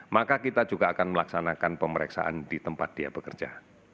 maka kita juga akan melaksanakan pemeriksaan di tempat dia bekerja